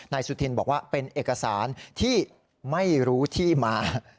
สุธินบอกว่าเป็นเอกสารที่ไม่รู้ที่มา